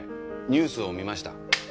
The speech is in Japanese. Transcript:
ニュースを見ました。